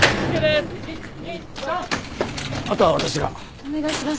お願いします。